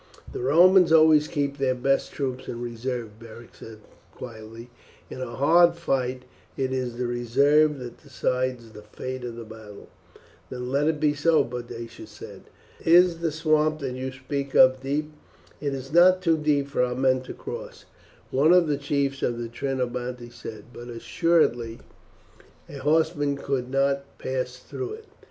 "The Romans always keep their best troops in reserve," Beric said quietly; "in a hard fight it is the reserve that decides the fate of the battle." "Then let it be so," Boadicea said. "Is the swamp that you speak of deep?" "It is not too deep for our men to cross," one of the chiefs of the Trinobantes said; "but assuredly a horseman could not pass through it."